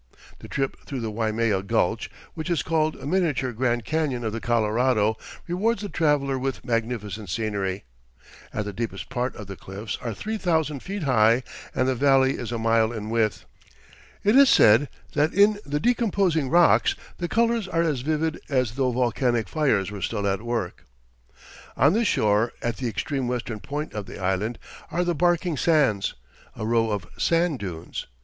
The trip through the Waimea Gulch, which is called a miniature Grand Canyon of the Colorado, rewards the traveler with magnificent scenery. At the deepest part the cliffs are 3,000 feet high and the valley is a mile in width. It is said that "in the decomposing rocks the colours are as vivid as though volcanic fires were still at work." On the shore, at the extreme western point of the island, are the Barking Sands, a row of sand dunes.